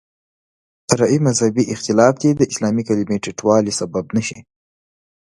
فرعي مذهبي اختلاف دې د اسلامي کلمې ټیټوالي سبب نه شي.